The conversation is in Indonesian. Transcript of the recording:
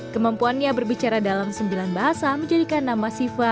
kemampuannya berbicara dalam sembilan bahasa menjadikan nama siva